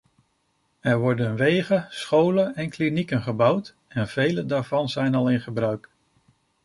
Er worden wegen, scholen en klinieken gebouwd en vele daarvan zijn al in gebruik.